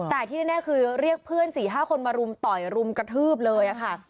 แต่ที่แน่คือเรียกเพื่อน๔๕คนมารุมต่อยรุมกระทืบเลยค่ะ